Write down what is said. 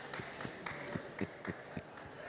waktu anda satu setengah menit